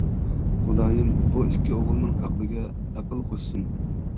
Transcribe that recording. خۇدايىم بۇ ئىككى ئوغۇلنىڭ ئەقلىگە ئەقىل قوشسۇن!